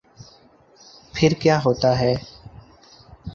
پھر کیا ہوتا ہے۔